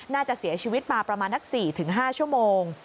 น่าจะเสียชีวิตมาประมาณนัก๔๕ชั่วโมง